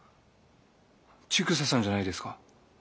ちぐささんじゃないですか。